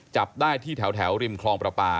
จับได้ที่แถวริมคลองประปา